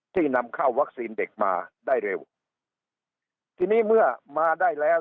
นำเข้าวัคซีนเด็กมาได้เร็วทีนี้เมื่อมาได้แล้ว